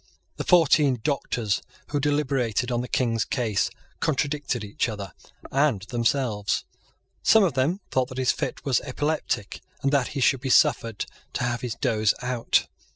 The fourteen Doctors who deliberated on the King's case contradicted each other and themselves. Some of them thought that his fit was epileptic, and that he should be suffered to have his doze out.